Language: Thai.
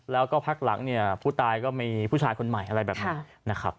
แล้วก็พักหลังผู้ตายก็มีผู้ชายคนใหม่อะไรแบบนี้